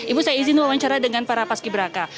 ibu saya izin wawancara dengan para paski beraka